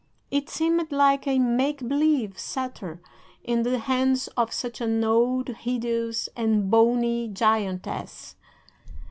It seemed like a make believe sceptre in the hands of such an old, hideous, and bony giantess!